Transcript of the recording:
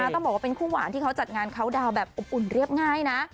ต้องบอกว่าเป็นคู่หวานที่เขาจัดงานเขาดาวน์แบบอบอุ่นเรียบง่ายนะ